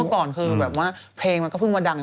ก่อนคือแบบว่าเพลงมันก็เพิ่งมาดัง